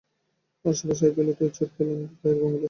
আর সর্বশেষ আইপিএলে তো চোট পেলেন পায়ের আঙুলে।